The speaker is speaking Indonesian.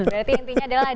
berarti intinya adalah